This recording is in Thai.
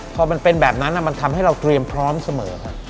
พอมันเป็นแบบนั้นมันทำให้เราเตรียมพร้อมเสมอค่ะ